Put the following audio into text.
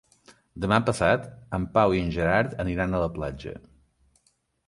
Demà passat en Pau i en Gerard aniran a la platja.